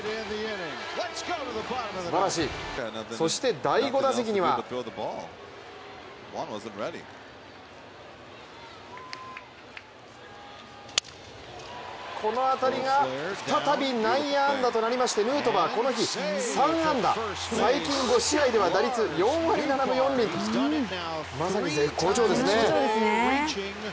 すばらしい、そして第５打席にはこの当たりが再び内野安打となりましてヌートバー、この日３安打、最近５試合では打率４割７分４厘と、まさに絶好調ですね。